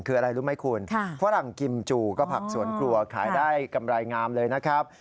คืออะไรรู้ไหมคุณฝรั่งกิมจูก็ผักสวนครัวขายได้กำไรงามเลยนะครับ